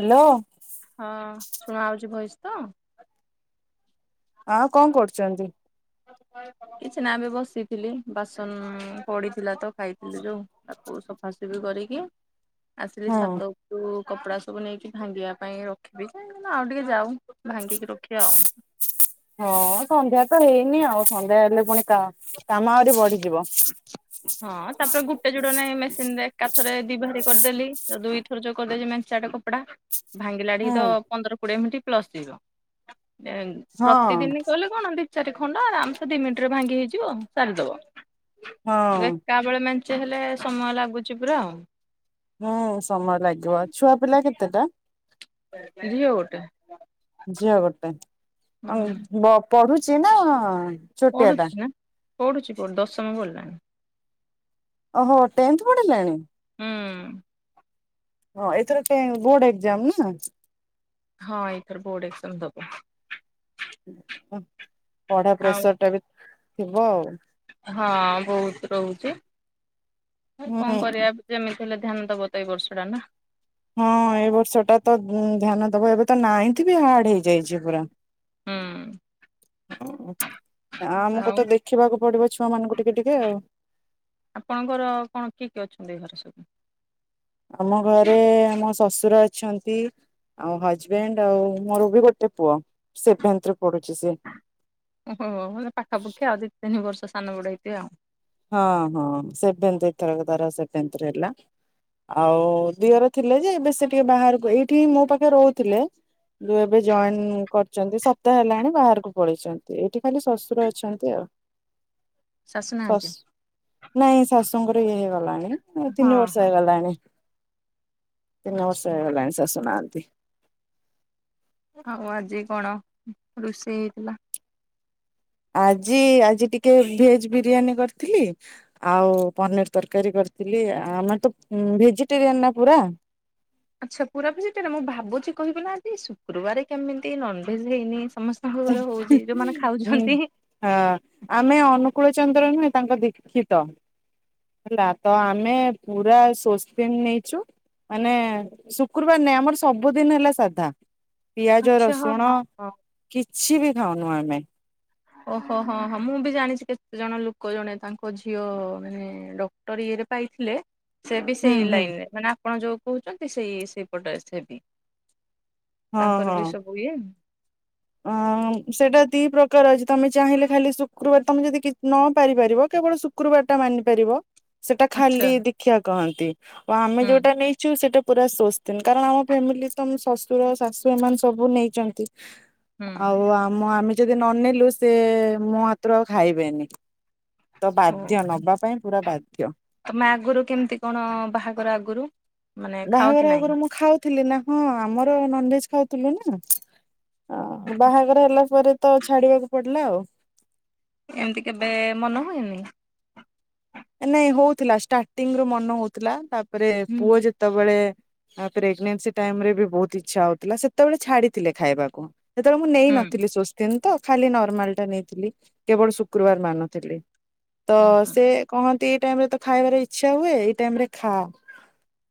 Hello. ହଁ ଶୁଣା ହଉଛି ଭଏସ ତ। ଆଉ କଣ କରୁଚନ୍ତି। କିଛି ନା ଏବେ ବସିଥିଲି ବାସନ ପଡିଥିଲା ତ ଖାଇଥିଲୁ ଯୋଉ। ତାକୁ ସଫାସଫି କରିକି ଆସିଲି ହଁ। ଛାତକୁ କପଡା ସବୁ ନେଇକି ଭାଙ୍ଗିବା ପାଇଁ ରଖିବି ଯେ ନା ଆଉ ଟିକେ ଯାଉ। ଭାଙ୍ଗିକି ରଖିବା ଆଉ। ହଁ ସନ୍ଧ୍ୟା ତ ହେଇନି ଆଉ ସନ୍ଧ୍ୟା ହେଲେ ପୁଣି କା କାମ ଆହୁରି ବଢିଯିବ। ହଁ ତାପରେ ଗୋଟେ ଯୋଡ ନାଇଁ ମେସିନ ରେ ଏକାଥରେ ଦି ଭାଡ଼ି କରିଦେଲି ଦୁଇଥର ଯୋଉ କରିଦେଛି ମେନ୍ସଟାକ ପଡ଼ା। ଭାଙ୍ଗିଲାଟି କି ହଁ ତ ପନ୍ଦର କୋଡିଏ ମିନିଟ ପ୍ଲସ ଯିବ ଏ ପ୍ରତିଦିନ କଲେ କଣ ଦି ଚାରି ଖଣ୍ଡ ଆରମସେ ଦି ମିନିଟ ରେ ଭାଙ୍ଗି ହେଇଯିବ ସାରିଦବ ଏକା ହଁ ଥ ରେ ଜ ମେଞ୍ଚେ ହେଲେ ସମୟ ଲାଗୁଛି ପୁରା ଆଉ। ହୁଁ ସମୟ ଲାଗିବ ଛୁଆ ଆଉ। ପିଲା କେତେଟା। ଝିଅ ଗୋଟେ। ଝିଅ ଗୋଟେ ଅ ହୁଁ ବ ପଢୁଛି ନା ଛୋଟିଆ ଟା ପଢ଼ୁଛି ନା ପଢ଼ୁଛି ପଢ଼ୁ ଦଶମ ପଡ଼ିଲଣି। ଓହୋ ଟେନ୍ଥ ପଢି଼ଲେଣି। ହୁଁ। ହଁ ଏଥର କେ ବୋର୍ଡ଼ ଏକ୍ଜାମ୍ ନା। ହଁ ଏଇଥର ବୋର୍ଡ଼ ଏକ୍ଜାମ୍ ଦେବ। ପଢ଼ା ଆଉ ପ୍ରେସର ଟା ବି ଥିବ ଆଉ। ହଁ ବହୁତ୍ ରହୁଛି ଆଉ କଣ ହୁଁ। କରିବା। ଯେମିତି ହେଲେ ଧ୍ୟାନ ଦବ ତ ଏଇ ବର୍ଷ ଟା ନା। ହଁ ଏ ବର୍ଷ ଟା ତ ଧ୍ୟାନ ଦବ ଏବେ ତ ନାଇନ୍ଥି ବି ହାର୍ଡ଼ ହେଇଯାଇଛି ପୁରା। ହୁଁ। ଓ ଆମକୁ ଆଉ ତ ଦେଖିବାକୁ ପଡ଼ିବ ଛୁଆ ମାନଙ୍କୁ ଟିକେ ଟିକେ ଆଉ। ଆପଣଙ୍କର କଣ କିଏ କିଏ ଅଛନ୍ତି ଘରେ ସବୁ? ଆମ ଘରେ ଆମ ଶଶୁର ଅଛନ୍ତି। ଆଉ ହଜବେଣ୍ଡ୍ ଆଉ ମୋର ବି ଗୋଟେ ପୁଅ ସେଭେନ୍ଥ୍ ରେ ପଢୁଛି ସେ। ଓହୋ ମାନେ ପାଖାପାଖି ଆଉ ଦି ତିନି ବର୍ଷ ସାନ ବଡ଼ ହେଇଥିବ ଆଉ। ହଁ ହଁ ସେଭେନ୍ଥ୍ ଏ ଥରକ ତାର ସେଭେନ୍ଥ୍ ରେ ହେଲା। ଆଉ ଦିଅର ଥିଲେ ଯେ ଏବେ ସେ ଟିକେ ବାହାରକୁ ଏଇଠି ହିଁ ମୋ ପାଖରେ ରହୁଥିଲେ। କିନ୍ତୁ ଏବେ ଜଏନ୍ କରିଛନ୍ତି ସପ୍ତାହ ହେଲାଣି ବାହାରକୁ ପଳେଇଛନ୍ତି ଏଇଠି ଖାଲି ଶଶୁର ଅଛନ୍ତି ଆଉ। ଶାଶୁ ନାହାନ୍ତି? ଶାଶୁ ନାଇଁ ଶାଶୁଙ୍କର ଇଏ ହେଇଗଲାଣି ହଁ ତିନି ବର୍ଷ ହଁ। ହେଇଗଲାଣି। ତିନି ବର୍ଷ ଆଚ୍ଛା ହେଇଗଲାଣି ଶାଶୁ ନାହାନ୍ତି। ଆଉ ଆଜି କଣ ରୋଷେଇ ହେଇଥିଲା? ଆଜି ଆଜି ଟିକେ ଭେଜ୍ ବିରିୟାନୀ କରିଥିଲି। ଆଉ ପନିର୍ ତରକାରୀ କରିଥିଲି ଆମର ତ ଭେଜିଟେରିୟାନ ନା ପୁରା। ଆଚ୍ଛା ପୁରା ଭେଜିଟେରିଆନ୍ ମୁଁ ଭାବୁଛି କହିବି ନା ଆଜି ଶୁକ୍ରବାର କେମିତି ନନଭେଜ୍ ହେଇନି ସମ ସବୁ ଘର ହଉଛି ଯୋଉମାନେ ଖାଉଛନ୍ତି। ହଁ ଆମେ ଅନୁକୂଳ ଚନ୍ଦ୍ର ନୁହେଁ ତାଙ୍କ ଦୀକ୍ଷିତ। ହେଲା ତ ଆମେ ପୁରା ସୋସସ୍ପିନ୍ ନେଇଛୁ। ମାନେ ଶୁକୃବାର ନାଇଁ ଆମର ସବୁଦିନି ହେଲା ସାଧା। ପିଆଜ ଆଚ୍ଛା ହଁ ରସୁଣ ହଁ ହଁ। କିଛି ବି ଖାଉନୁ ଆମେ। ଓହୋ ହୋ ହଁ ମୁଁ ବି ଜାଣିଛି କେତେ ଜଣ ଲୋକ ଜଣେ ତାଙ୍କ ଝିଅ ମାନେ ଡ ଡ଼କ୍ଟର ଇଏରେ ପାଇଥିଲେ। ସେ ବି ହୁଁ ସେଇ ହୁଁ ଲାଇନ୍ ରେ ମାନେ ଆପଣ ଯୋଉ କହୁଛନ୍ତି ସେଇ ସେଇପଟରେ ସେ ବି ତାଙ୍କର ବି ସବୁ ଇଏ। ଅଁ ସେଇଟା ଦି ପ୍ରକାର ଅଛି ତମେ ଚାହିଁଲେ ଖାଲି ଶୁକୃବାର ତମେ ଯଦି କିଛି ନ ପାରିପାରିବ କେବଳ ଶୁ ଶୁକ୍ରୁବାର ଟା ମାନି ପାରିବ ସେଟା ଆଚ୍ଛା ଖାଲି ଦୀକ୍ଷା କହନ୍ତି ଓ ଆମେ ହୁଁ ଯୋଉଟା ନେଇ ଯୋଉ ସେଟା ପୁରା [unintelligible] କାରଣ ଆମ ଫ୍ୟାମିଲି ତ ଶ୍ୱଶୁର ଶାଶୁ ଏମାନେ ସବୁ ନେଇଚନ୍ତି। ହୁଁ ଆଉ ଆମ ଆମେ ଯଦି ନନେଲୁ ସେ ମୋ ହାତରୁ ଆଉ ଖାଇବେନି। ତ ହଉ ବାଧ୍ୟ ନବା ପାଇଁ ପୁରା ବାଧ୍ୟ। ତମେ ଆଗରୁ କେମିତି କଣ ବାହାଘର ଆଗରୁ? ମାନେ ଖାଅ କି ବାହାଘର ନାଇଁ ଆଗରୁ ମୁଁ ଖାଉ ଥିଲି ନା ହଁ ଆମର ନନଭେଜ୍ ଖାଉଥିଲୁ ନା ବାହାଘର ହେଲା ପରେ ତ ଛାଡ଼ିବାକୁ ପଡ଼ିଲା ଆଉ। ଏମିତି କେବେ ମନ ହୁଏନି। ନାଇଁ ହଉଥିଲା ଷ୍ଟାର୍ଟିଙ୍ଗ୍ ରୁ ମନ ହଉଥିଲା ତାପରେ ହୁଁ ପୁଅ ଯେ ସେତେବେଳେ ପ୍ରେଗନନ୍ସି ଟାଇମ୍ ରେ ବି ବହୁତ୍ ଇଚ୍ଛା ହଉଥିଲା ସେତେବେଳେ ଛାଡ଼ିଥିଲେ ଖାଇବାକୁ। ସେତେବେଳେ ମୁଁ ହୁଁ ନେଇନଥିଲି ସୋ କିନ୍ତୁ ଖାଲି ନର୍ମାଲ ଟା ନେଇଥିଲି କେବଳ ଶୁକ୍ରବାର ମାନୁଥିଲି ତ ହୁଁ ସେ ହୁଁ କହନ୍ତି ଏଇ ଟାଇମ୍ ରେ ତ ଖାଇବାର ଇଚ୍ଛା ହୁଏ ଏଇ ଟାଇମ୍ ରେ ଖାଆ।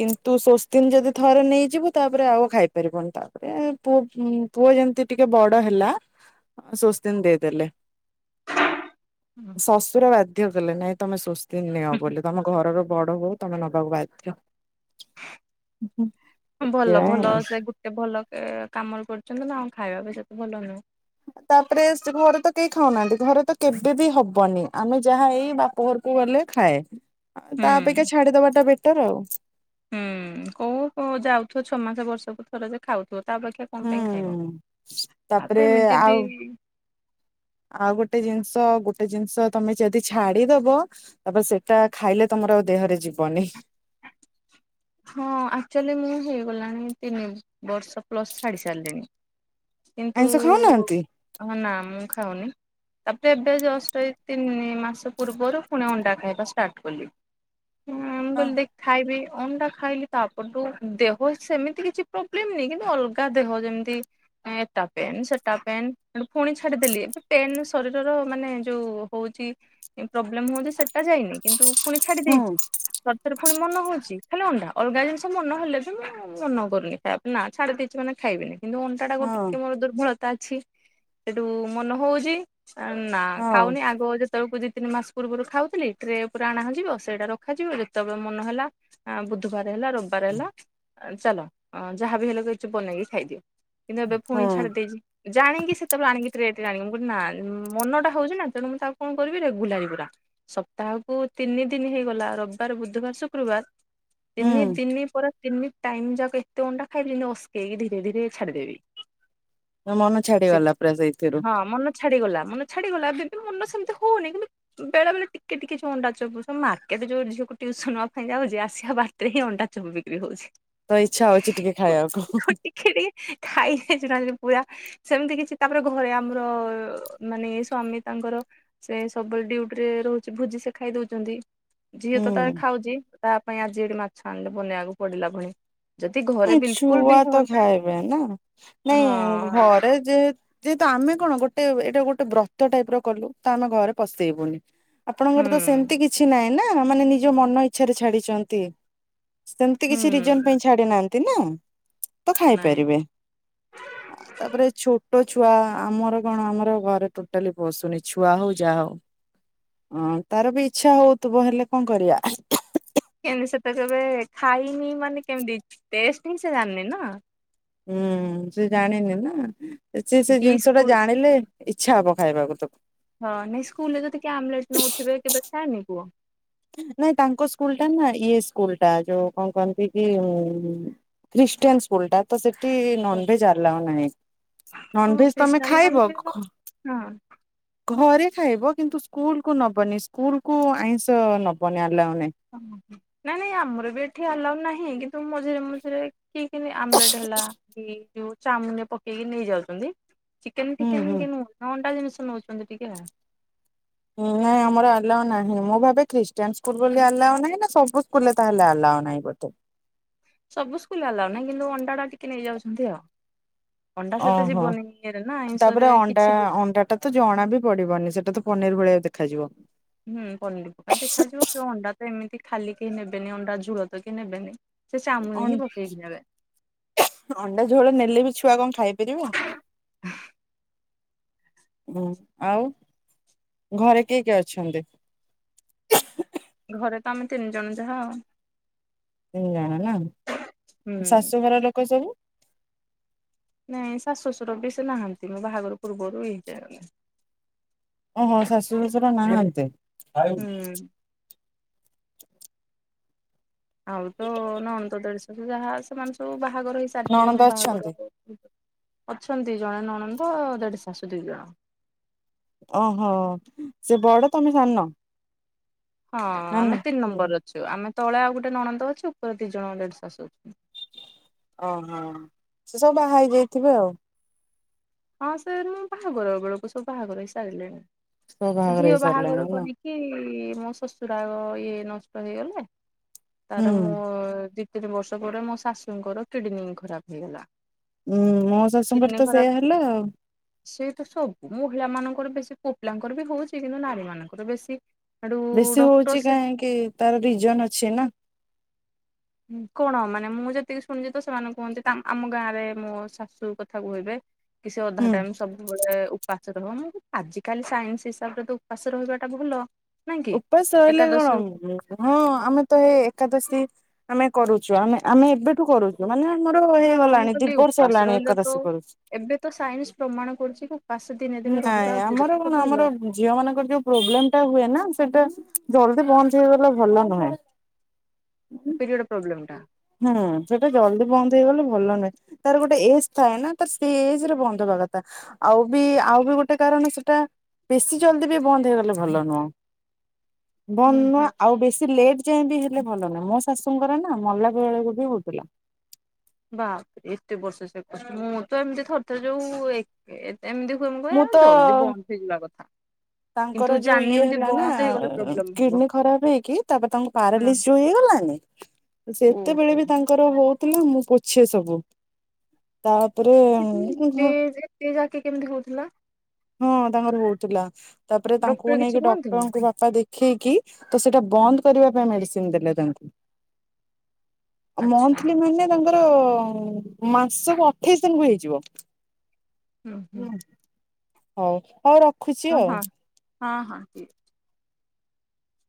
କିନ୍ତୁ ଶୋସ୍ତିନ୍ ଯଦି ଥରେ ନେଇଯିବୁ ତାପରେ ଆଉ ଖାଇପାରିବନି ତାପରେ ପୁଅ ପୁଅ ଯେମିତି ଟିକେ ବଡ଼ ହେଲା ସ୍ୱସ୍ତିନ୍ ଦେଇଦେଲେ। ଶଶୁର ବାଧ୍ୟ କଲେ ନାଇଁ ତମେ ସୁସ୍ଥ ନିଅ ହୁଁ ବୋଲି ତମ ଘରର ବଡ ବହୁ ତମେ ନବାକୁ ବାଧ୍ୟ ସେଥିପାଇଁ ଏତେ ଭଲ କାମରେ କରୁଛନ୍ତି ନା ଆଉ ଖାଇବା ବି ସେତେ ଭଲ ନୁହେଁ ତାପରେ ସେ ଘରେ ତ କେହି ଖାଉନାହାନ୍ତି ଘରେ ତ କେବେ ବି ହବନି ଆମେ ଯାହା ଏଇ ବାପ ଘର କୁ ଗଲେ ଖାଏ ଆ ହୁଁ। ତାପେକ୍ଷା ଛାଡିଦବାଟା ବେଟର ଆଉ ହୁଁ କୋଉ କୋଉ ଯାଉଥିବ ଛଅ ମାସ ବର୍ଷକୁ ଥର ଯେ ଖାଉଥିବ ତା ଅପେକ୍ଷା କଣ ହୁଁ ପାଇଁ ଖାଇବ ଆଉ ତାପରେ ତ ଏମିତି ଆଉ ବି ଆଉ ଗୋଟେ ଜିନିଷ ଗୋଟେ ଜିନିଷ ତମେ ଯଦି ଛାଡିଦବ ତାପରେ ସେଟା ଖାଇଲେ ତମର ଆଉ ଦେହରେ ଯିବନି। ହଁ ଆକ୍ଚୁଆଲି ମୁଁ ହେଇଗଲାଣି ତିନି ବର୍ଷ ପ୍ଲସ୍ ଛାଡିି ସାରିଲିଣି କିନ୍ତୁ ଆଇଁଷ ଖାଉନାହାନ୍ତି? ହଁ ନା ମୁଁ ଖାଉନି ତାପରେ ଏବେ ଜଷ୍ଟ ଏଇ ତିନି ମାସ ପୂର୍ବରୁ ପୁଣି ଅଣ୍ଡା ଖାଇବା ଷ୍ଟାର୍ଟ କଲି ହଁ ହଁ ବୋଲି ଦେଖ ଖାଇବି ଅଣ୍ଡା ଖାଇଲି ତାପଠୁ ଦେହ ସେମିତି କିଛି ପ୍ରୋବ୍ଲେମ ନହି କିନ୍ତୁ ଅଲଗା ଦେହ ଯେମିତି ଏଟା ପେନ୍ ସେଟା ପେନ୍ ପୁଣି ଛାଡିଦେଲି ଏବେ ପେନ୍ ଶରୀରର ମାନେ ଯୋଉ ହ ପ୍ରୋବ୍ଲେ ହଉଛି ସେଟା ଯାଇନି କିନ୍ତୁ ପୁଣି ଛାଡି ହଁ ଦେଇଛି। ପୁଣି ମନ ହଉଛି ଖାଲି ଅଣ୍ଡା ଅଲଗା ଜିନିଷ ମନେ ହେଲେ ବି ମୁଁ ମନ କରୁନି ଖା ନା ଛାଡି ଦେଇଛି ମାନେ। ଖାଇବନି କିନ୍ତୁ ଅଣ୍ଟାଟାକୁ ହଁ ଟିକେ ମୋର ଦୁର୍ବଳତା ଅଛି ସେଠୁ ମନ ହଉଛି। ନା ହଁ ଖାଉନି ଆଗ ଯେତେବେଳକୁ ଦି ତିନି ମାସ ପୂର୍ବରୁ ଖାଉଥିଲି ଟ୍ରେ ପୁରା ଅଣା ଯିବ ସେଇଟା ରଖାଯିବ ଯେତେବେଳେ ମନ ହେଲା ବୁଧବାର ହେଲା ର ହେଲା ଚାଲ ଯାହାବି ହେଲେ ବନେଇକି ଖାଇଦିଅ କିନ୍ତୁ ଏବେ ପୁଣି ହଁ ଛାଡ଼ିଦେଇଛି। ଜାଣିକି ସେତେବେଳେ ଆଣିକି ଟ୍ରେରେ ଆଣି ମୁଁ କ ନା ମନ ଟା ହଉଛି ନା ତଣୁ ମୁଁ ତାକୁ କଣ କରିବି ରେଗୁଲାରୀ ପୁରା। ସପ୍ତାହକୁ ତିନି ଦିନ ହେଇଗଲା ରବି ାର ବୁଧବାର ଶୁକ୍ରବାର ତିନି ହୁଁ ଦିନି ପ ତିନିି ଟାଇମ ଯାକ ଏତେ ଅଣ୍ଡା ଖାଇବି ଓସକେଇକି ଧୀରେ ଧୀରେ ଛାଡିଦେବି ମୋ ମନ ସେ ଛାଡିଗଲା ପୁରା ସେଇଥିରୁ ହଁ ମନ ଛାଡିଗଲା ମନ ଛାଡିଗଲା ଏବେ ବି ମନ ସେମିତି ହଉନି କିନ୍ତୁ ବେଳେ ବେଳେ ଟିକେ ଟିକେ ଅଣ୍ଡା ଚପ ମାର୍କେ ଯୋ ଝିଅକୁ ଟିଉସନ ନବା ପାଇଁ ଯାଉଛି ଆସିବା ବାଟରେ ହିଁ ଅଣ୍ଡା ଚପ ବିକ୍ରି ହଉଛି। ତ ଇଚ୍ଛା ହଉଛି ଟିକେ ଖାଇବାକୁ ଟିକେ ଟିକେ ଖାଇ ପୁରା ସେମିତି କିଛି ତାପରେ ଘରେ ଆମର ମାନେ ସ୍ଵାମୀ ତାଙ୍କର ସେ ସବୁବେଳେ ଡୁଟି ରେ ରହୁଛି ଭୋଜି ସେ ଖାଇ ଦଉଛନ୍ତି। ଝିଅ ତ ହୁଁ। ଖାଉଛି ତା ପାଇଁ ଆଜି ଏଠି ମାଛ ଆଣିଲେ ବନେଇବାକୁ ପଡିଲା ପୁଣି ଯଦି ଘରେ ବିଲକୁଲ ବି ଛୁଆ ତ ହୁଅନ୍ତାନି ଖାଇବେ ନା ନାଇଁ ହଁ ଘରେ ଯେତ ଯେହେତୁ ଆମେ କଣ ଗୋଟେ ଏଇଟା ଗୋଟେ ବ୍ରତ ଟାଇପ ର କଲୁ ତ ଆମେ ଘରେ ପଶେଇବୁନି। ହୁଁ ଆପଣଙ୍କର ତ ସେମତି କିଛି ନାହିଁ ନା ମାନେ ନିଜ ମନ ଇଚ୍ଛାରେ ଛାଡିଛନ୍ତି। ସେମିତି ହୁଁ କିଛି ରିଜନ ପାଇଁ ଛାଡି ନାହାନ୍ତି ନା ତ ନାଇଁ। ଖାଇପାରିବେ। ତାପରେ ଛୋଟ ଛୁଆ ଆମର କଣ ଆମର ଘରେ ଟୋଟାଲି ପସୁନି ଛୁଆ ହଉ ଯାହା ହଉ। ହଁ ତାର ବି ଇଚ୍ଛା ହଉଥିବ ହେଲେ କଣ କରିବା କେତି ସେତ କେବେ ଖାଇନି ମାନେ କେମିତି ଟେଷ୍ଟ ସେ ଜାଣିନି ନା ହୁଁ ସେ ଜାଣିନି ନା ସେ ସେ କି ଜିନିଷ ଟା ସ୍କୁଲ ଜାଣିଲେ ଇଛା ହବ ଖାଇବାକୁ ତାକୁ ହଁ ନାଇଁ ସ୍କୁଲରେ ତ ଟିକେ ଆମଲେଟ୍ ନେଉଥିବେ କେବେ ଖାଏନି ପୁହ ନାଇଁ ତାଙ୍କ ସ୍କୁଲ ଟା ନା ଇଏ ସ୍କୁଲ ଟା ଯୋଉ କଣ କହନ୍ତି କି କ୍ରିଷ୍ଟଟିୟନ୍ସ୍ ସ୍କୁଲ ଟା। ତ ସେଠି ନନଭେଜ ଆଲାଉ ନାହିଁ ଓହୋ ନନଭେଜ ତମେ ଖ୍ରୀଷ୍ଟିଆନ ମାନେ ଖାଇବ। ବି ହଁ। ହଁ। ଘରେ ଖାଇବ କିନ୍ତୁ ସ୍କୁଲ୍ କୁ ନବନି ସ୍କୁଲ୍ କୁ ଆଇଁଷ ନବନି ଆଲାଉ ନାହିଁ। ଓ ନାଇଁ ନାଇଁ ଆମର ବି ଏଠି ଆଲାଉ ନାହିଁ କିନ୍ତୁ ମଝିରେ ମଝିରେ କି କି ଆମ୍ବଲେଟ୍ ହେଲା କି ଯୋଉ ଚାଉମିନ୍ ରେ ପକେଇକି ନେଇଯାଚନ୍ତି। ଚିକେନ ହୁଁ ହୁଁ। ଫିକେନ କେ ନୁ ଅଣ୍ଡା ଜିନିଷ ନେଉଛନ୍ତି ଟିକେ ନାଇଁ ଆମର ଆଲାଓ ନାହିଁ ମୁଁ ଭାବେ ଖ୍ରୀଷ୍ଟିୟାନ୍ ସ୍କୁଲ୍ ବୋଲି ଆଲାଓ ନାହିଁ ନା ସବୁ କୁଲ୍ ରେ ତାହାଲେ ଆଲାଉ ନାହିଁ ବୋଧେ। ସବୁ ସ୍କୁଲ୍ ଆଲାଉ ନାଇଁ କିନ୍ତୁ ଅଣ୍ଡା ଟା ଟିକେ ନେଇଯାଉଛନ୍ତି ଆଉ। ଅଣ୍ଡା ସେତେ ଓହୋ ଯିବନି ଇରେ ନା ତାପରେ ଆଇଁଷରେ ଅଣ୍ଡା କିଛି ଅଣ୍ଡା ଟା ତ ଜଣା ବି ପଡିବନି ସେଟା ତ ପନିର ଭୋଳିଆ ଦେଖାଯିବ। ହୁଁ ପନିରି ପକା ଦେଖାଯିବ କି ଅଣ୍ଡା ତ ଏମିତି ଖାଲି କେହି ନେବେନି ଅଣ୍ଡା ଝୁଳ ତ କେ ନେବେନି। ସେ ଚାମୁଚ ଅଁ ହିଁ ପକେଇକି ନେବେ ଅଣ୍ଡା ଝୋଳ ନେଲେ ବି ଛୁଆ କଁ ଖାଇପାରିବେ ହୁଁ ଆଉ ଘରେ କିଏ କିଏ ଅଛନ୍ତି? ଘରେ ତ ଆମେ ତିନି ଜଣ ଯାହା ଆଉ। ହୁଁ। ଶାଶୁ ଘର ଲୋକ ସବୁ ନାଇଁ ଶାଶୁ ଶଶୁର ବି ସେ ନାହାଁନ୍ତି ମୁଁ ବାହାଘର ପୂର୍ବରୁ ହେଇଯାଏ। ଓହୋ ଶାଶୁ ଶଶୁର ନାହାନ୍ତି। ହୁଁ। ଆଉ ତ ନ ଅନ୍ତଦଳଶ ଯାହା ସେମାନେ ସବୁ ବାହାଘର ହେଇ ସାରିଥିଲେ ନଣନ୍ଦ ମୁଁ ଅଛନ୍ତି ବାହାଘର। ଅଛନ୍ତି ଜଣେ ନ ଅଣନ୍ଦ ଦେଢ଼ ଶାଶୁ ଦି ଜଣ। ଓହୋ ସେ ବଡ ତମେ ସାନ? ହଁ ନା? ଆମେ ତିନ୍ ହୁଁ ନମ୍ବର ଅଛୁ ଆମେ ତଳେ ଆଉ ଗୋଟେ ନଣନ୍ଦ ଅଛୁ ଉପରେ ଦି ଜଣ ଦେଢ ଶାଶୁ। ଓହୋ ସେ ସବୁ ବାହା ହେଇ ଯାଇଥିବେ ଆଉ। ହଁ ସାର୍ ମୁଁ ବାହାଘର ବେଳକୁ ସବୁ ବାହାଘର ହେଇ ସବୁ ସାରିଲେଣି ବାହାଘର ହେଇ ଝିଅ ସାରିଲାଣି ବାହାଘର ହେଲା କରି କି ମୋ ଶଶୁରାାଗ ଇଏ ନଷ୍ଟ ହେଇଗଲେ ହୁଁ। ତାର ମୁଁ ଦି ତିନି ବର୍ଷ ପରେ ମୋ ଶାଶୁଙ୍କର କିଡନୀ ଖରାପ ହେଇଗଲା। ଉୁଁ ମୋ ଶାଶୁଙ୍କର ତ ସେଇୟା ହେଲା ଆଉ। ସେଇଠୁ ସ ମହିଳା ମାନଙ୍କର ବେଶୀ କୋପିଲଙ୍କର ବି ହଉଛି କିନ୍ତୁ ନାରୀ ମାନଙ୍କର ବେଶୀ। ହେଠୁ ବେଶୀ ଡକ୍ଟର ହୋଉଚି ସେ କାହିଁକି ତାର ରିଜନ୍ ଅଛି ନା। କଣ ମାନେ ମୁଁ ଯେତିକି ଶୁଣିଚି ତ ସେମାନେ କୁହନ୍ତି ଆମ ଗାଁରେ ମୁ ଶାଶୁ କଥା କହିବେ କିସ ଅଧା ହୁଁ। ଟାଇମ୍ ସବୁବେଳେ ଉପାସ ରହୁନ ଆଜିକାଲି ସାଇନ୍ସ ହିସାବରେ ତ ଉପାସ ରହିବାଟା ଭଲ। ନାଇଁ କି ଉପାସ୍ ରହିଲେ କଣ ଏକାଦଶୀ ହଁ ଆମେ ତ ଏ ଏକାଦଶୀ ଆମେ କରୁଛୁ ଆମେ ଆମେ ଏବେଠୁ କରୁ ମାନେ ଆମର ହଁ ମୁଁ ହେଇଗଲାଣି ଦି କହିଲି ବର୍ଷ ଉପାସ ହେଲାଣି ରହିଲେ ତ ଏକାଦଶୀ କରୁଚି। ଏବେ ତ ସାଇନ୍ସ ପ୍ରମାଣ କରୁଚି କି ଉପାସ୍ ଦିନେ ଦିନେ ନାଇଁ ରହିବା ଆମର କଣ ତ ଆମର ଭଲ। ଝିଅ ମାନଙ୍କର ଯୋଉ ପ୍ରୋବ୍ଲେମ୍ ଟା ହୁଏ ନା ସେଟା ଜଲ୍ଦି ପହଞ୍ଚେଇ ଗଲେ ଭଲ ନୁହେଁ। ଟି ଗେଟ୍ ପ୍ରୋବ୍ଲେମ୍ ଟା ହୁଁ ସେଟା ଜଲଦି ବନ୍ଦ ହେଇଗଲେ ଭଲ ନୁହେଁ। ତାର ଗୋଟେ ଏଜ୍ ଥାଏ ନା ତାର ସେଇ ଏଜ୍ ରେ ବନ୍ଦ୍ ହବା କଥା। ଆଉ ବି ଆଉ ବି ଗୋଟେ କାରଣ ସେଟା ବେଶୀ ଜଲ୍ଦି ବି ବନ୍ଦ୍ ହେଇଗଲେ ଭଲ ନୁହଁ। ବନ୍ଦ୍ ହୁଁ ନୁଆ ହୁଁ। ଆଉ ବେଶୀ ଲେଟ ଯାଏ ବି ହେଲେ ଭଲ ନୁହଁ ମୋ ଶାଶୁଙ୍କର ନା ମଲା ବେଳେକୁ ବି ହୋଉଥୁଲା। ବାପ୍ ରେ ଏତେ ବର୍ଷ ସେ କରଛି ମୁଁ ତ ଏମିତି ଥରେଥରେ ଯୋଉ ଏ ଏ ଏମିତି ହୁଏ ମୁ କୁହେ ମୁଁ ତ ଜଲ୍ ଦି ବନ୍ଦ୍ ହେଇଯିବା କଥା। କିନ୍ତୁ ତାଙ୍କର ଯୋଉ ଜାଣିନି ଇଏ ଏମିତି ହେଲା ନା ବନ୍ଦ ହେଇଗଲେ ପ୍ରୋବ୍ଲେମ ହବ। କିଡ୍ନୀ ଖରାପ୍ ହେଇକି ତାପେ ତାଙ୍କୁ ହଁ। ପାରାଲିସ୍ ଯୋଉ ହେଇଗଲାନି, ଓହୋ ସେତେବେଳେ ବି ତାଙ୍କ୍ ତାର ହୋଉଥିଲା ମୁଁ ପୋଛେ ସବୁ। ତା ଓପରେ ସି ଏତେ ଏତେ ଯାକି କେମିତି ହୋଉଥୁଲା? ହଁ ତାଙ୍କର ହଉଥିଲା ତାପରେ ଡକ୍ଟର ତାଙ୍କୁ କିଛି ନେଇକି କୁହନ୍ତିନି? ଡକ୍ଟରଙ୍କୁ ପା ପା ଦେଖେଇକି ତ ସେଟା ବନ୍ଦ କରିବା ପାଇଁ ମେଡିସିନ ଦେଲେ ତାଙ୍କୁ। ଆଚ୍ଛା ମନ୍ଥଲି ମାନେ ତାଙ୍କର ମାସକୁ ଅଠେଇଶ ଦିନକୁ ହେଇଯିବ। ହୁଁ ହୁଁ। ହଉ ହଉ ର ହଁ-ହଁ ହଁ ହଁ।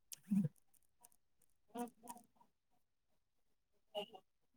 [unintelligible] ଆଜ୍ଞା।